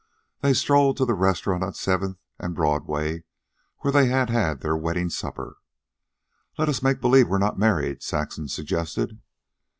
They strolled to the restaurant at Seventh and Broadway where they had had their wedding supper. "Let's make believe we're not married," Saxon suggested.